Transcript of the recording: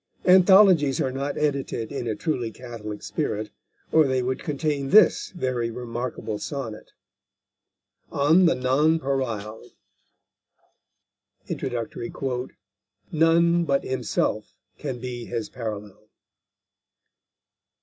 Anthologies are not edited in a truly catholic spirit, or they would contain this very remarkable sonnet: ON THE NONPAREIL. "_None but himself can be his parallel."